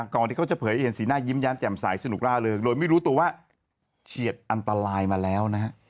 ก่อนที่เขาจะเผยเองสีหน้ายิ้มแย้มแจ่มใสสนุกร่าเริงโดยไม่รู้ตัวว่าเฉียดอันตรายมาแล้วนะฮะ